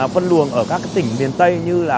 phân luồng ở các tỉnh miền tây như là